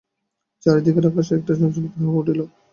চারি দিকের আকাশে একটা চঞ্চলতার হাওয়া উঠিল।